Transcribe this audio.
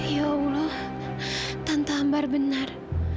ya allah tanpa ambar benar